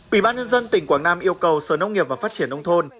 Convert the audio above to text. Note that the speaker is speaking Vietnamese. ủy ban nhân dân tỉnh quảng nam yêu cầu sở nông nghiệp và phát triển nông thôn